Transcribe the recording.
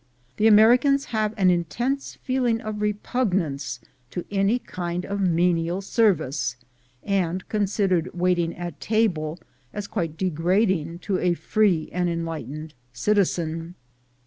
The Americans have an intense feeling of repugnance to any kind of menial service, and consider waiting at table as quite degrading to a free and enlightened citizen.